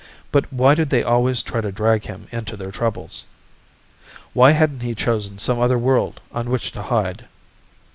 But why did they always try to drag him into their troubles? Why hadn't he chosen some other world on which to hide?